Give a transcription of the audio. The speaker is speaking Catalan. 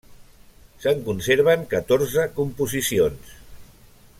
Se'n conserven catorze composicions.